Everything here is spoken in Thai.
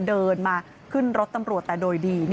เดินมาขึ้นรถตำรวจแต่โดยดี